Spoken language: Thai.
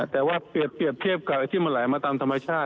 แต่ว่าเปรียบเทียบกับไอ้ที่มันไหลมาตามธรรมชาติ